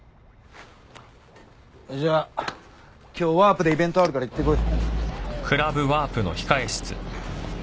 じゃあ今日ＷＡＡＡＲＰでイベントあるから行ってこい。